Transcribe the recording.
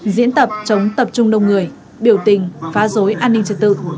diễn tập chống tập trung đông người biểu tình phá dối an ninh trật tự